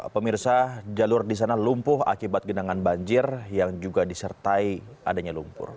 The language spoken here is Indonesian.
pemirsa jalur di sana lumpuh akibat genangan banjir yang juga disertai adanya lumpur